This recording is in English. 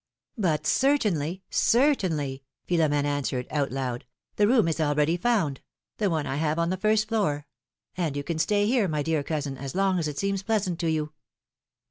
But certainly, certainly ! Philom^ne answered, out loud : the room is already found — the one I have on the first floor ; and you can stay here, my dear cousin, as long as it seems pleasant to you